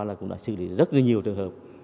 là cũng đã xử lý rất là nhiều trường hợp